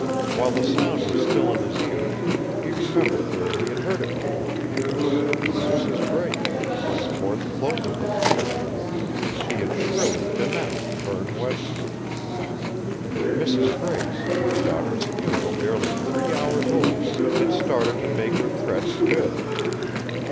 While the sound was still in his ears, he remembered where he had heard it before from Mrs. Brace when, toward the close of his interview with her, she had shrilly denounced Berne Webster. Mrs. Brace, her daughter's funeral barely three hours old, had started to make her threats good.